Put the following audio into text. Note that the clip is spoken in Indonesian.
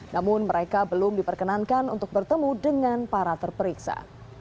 namun mereka belum diperkenankan untuk bertemu dengan para terperiksa